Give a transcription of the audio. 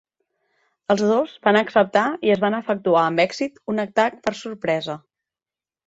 Els dos van acceptar i es van efectuar amb èxit un atac per sorpresa.